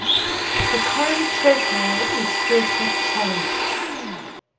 The current treasurer is Joseph Kelly.